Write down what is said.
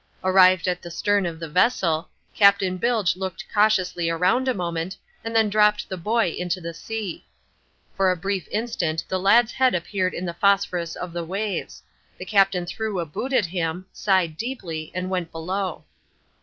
Arrived at the stern of the vessel, Captain Bilge looked cautiously around a moment and then dropped the boy into the sea. For a brief instant the lad's head appeared in the phosphorus of the waves. The Captain threw a boot at him, sighed deeply, and went below.